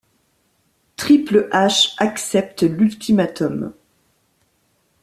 Triple H accepte l'ultimatum.